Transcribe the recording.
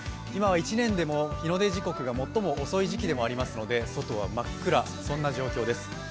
今は１年でも日の出時刻が最も遅い時期でもありますので外は真っ暗、そんな状況です。